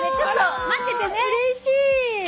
うれしい！